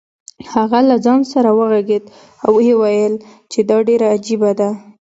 هغه له ځان سره وغږېد او ویې ویل چې دا ډېره عجیبه ده.